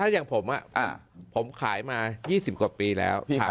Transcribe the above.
อย่างผมผมขายมา๒๐กว่าปีแล้ว